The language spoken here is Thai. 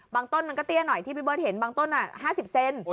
ต้นมันก็เตี้ยหน่อยที่พี่เบิร์ตเห็นบางต้น๕๐เซน